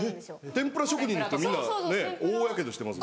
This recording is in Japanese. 天ぷら職人の人みんなね大やけどしてます。